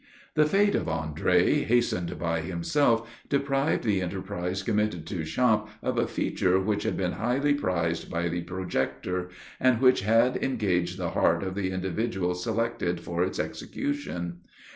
The fate of Andre, hastened by himself, deprived the enterprise committed to Champe of a feature which had been highly prized by the projector, and which had engaged the heart of the individual selected for its execution.